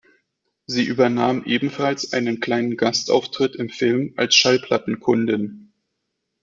Sie übernahm ebenfalls einen kleinen Gastauftritt im Film als Schallplatten-Kundin.